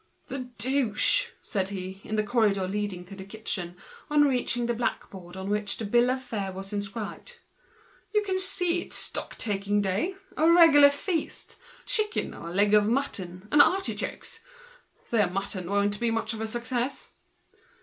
"The deuce!" said he, in the corridor leading to the kitchen, opposite the blackboard on which the bill of fare was inscribed, "you can see it's stock taking day. A regular feast! Chicken, or leg of mutton, and artichokes! Their mutton won't be much of a success!"